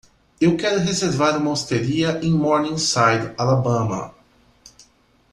Eu quero reservar uma osteria em Morningside Alabama.